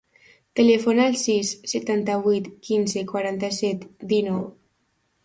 Telefona al sis, setanta-vuit, quinze, quaranta-set, dinou.